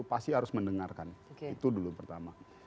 pasti harus mendengarkan itu dulu pertama